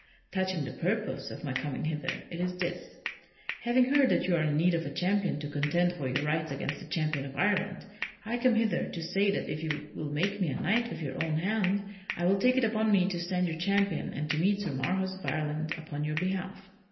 Touching the purpose of my coming hither, it is this: having heard that you are in need of a champion to contend for your rights against the champion of Ireland, I come hither to say that if you will make me a knight with your own hand, I will take it upon me to stand your champion and to meet Sir Marhaus of Ireland upon your behalf."